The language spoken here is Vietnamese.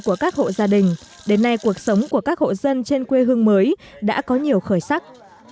của các hộ gia đình đến nay cuộc sống của các hộ dân trên quê hương mới đã có nhiều khởi sắc